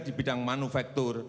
di bidang manufaktur